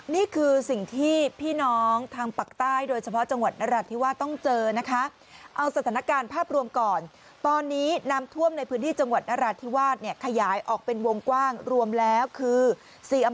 นี่คือสิ่งที่พี่น้องทางภาคใต้